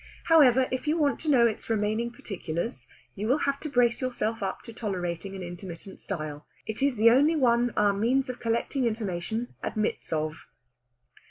However, if you want to know its remaining particulars, you will have to brace yourself up to tolerating an intermittent style. It is the only one our means of collecting information admits of.